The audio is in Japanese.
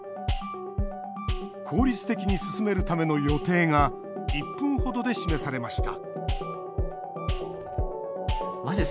効率的に進めるための予定が１分程で示されました